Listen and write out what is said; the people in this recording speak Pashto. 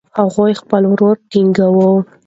هغوی خپل ورور تنګاوه.